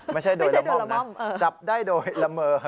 ไม่ใช่โดยละม่อมนะจับได้โดยละเมอ